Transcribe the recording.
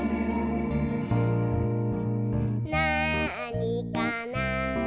「なあにかな？」